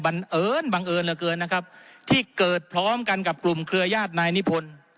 บังเอิญบังเอิญเหลือเกินนะครับที่เกิดพร้อมกันกับกลุ่มเครือญาตินายนิพนธ์